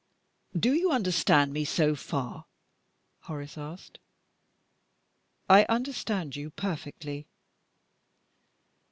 "Do you understand me so far?" Horace asked. "I understand you perfectly."